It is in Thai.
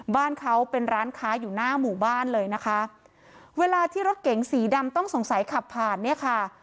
บ้านเขาเป็นร้านค้าอยู่หน้าหมู่บ้านเลยนะคะเวลาที่รถเก๋งสีดำต้องสงสัยขับผ่านเนี่ยค่ะ